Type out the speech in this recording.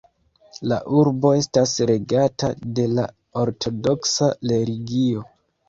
La urbo estas regata de la ortodoksa religio.